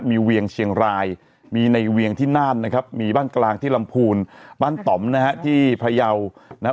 มีเวียงเชียงรายมีในเวียงที่น่านนะครับมีบ้านกลางที่ลำพูนบ้านต่อมนะฮะที่พยาวนะครับ